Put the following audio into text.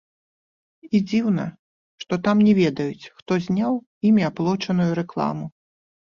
І дзіўна, што там не ведаюць, хто зняў імі аплочаную рэкламу.